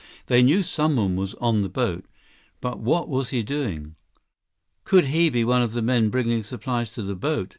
They knew someone was on the boat. But what was he doing? "Could he be one of the men bringing supplies to the boat?"